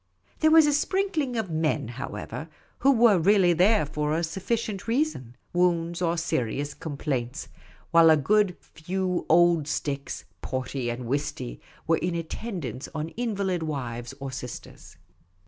There was a sprinkling of men, however, who were really there for a sufficient reason — wounds or serious complaints ; while a few good old sticks, porty and whisty, were in at tendance on invalid wives or sisters.